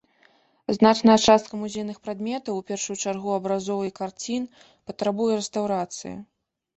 Значная частка музейных прадметаў, у першую чаргу абразоў і карцін, патрабуе рэстаўрацыі.